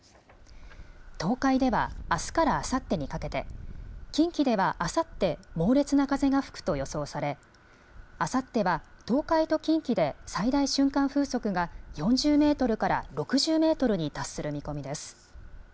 東海ではあすからあさってにかけて、近畿ではあさって猛烈な風が吹くと予想されあさっては東海と近畿で最大瞬間風速が４０メートルから６０メートルに達する見込みです。